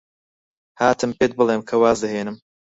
هاتم پێت بڵێم کە واز دەهێنم.